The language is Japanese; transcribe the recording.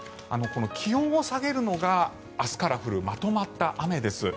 気温を下げるのが明日から降るまとまった雨です。